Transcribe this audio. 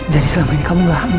jadi selama ini kamu gak hamil